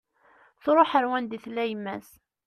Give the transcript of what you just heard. Truḥ ar wanda i tella yemma-s